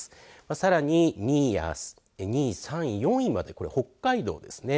さらに２位、３位、４位までこれ、北海道ですね。